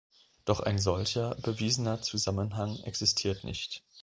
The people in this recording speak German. Doch ein solcher bewiesener Zusammenhang existiert nicht.